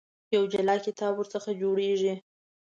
یو جلا کتاب ورڅخه جوړېږي.